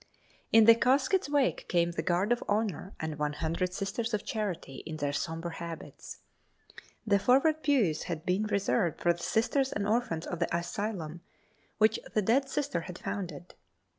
In the casket's wake came the guard of honor and one hundred Sisters of Charity in their sombre habits. The forward pews had been reserved for the Sisters and orphans of the asylum, which the dead Sister had founded.